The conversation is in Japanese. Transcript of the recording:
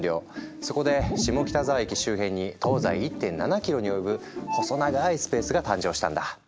そこで下北沢駅周辺に東西１．７キロに及ぶ細長いスペースが誕生したんだ。